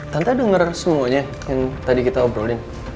tante denger semuanya yang tadi kita obrolin